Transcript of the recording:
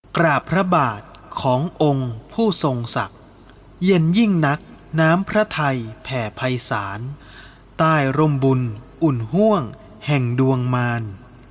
กราบพระบาทขององค์ผู้ทรงศักดิ์เย็นยิ่งนักน้ำพระไทยแผ่ภัยศาลใต้ร่มบุญอุ่นห่วงแห่งดวงมาร